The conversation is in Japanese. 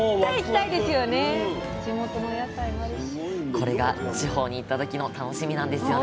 これが地方に行った時の楽しみなんですよね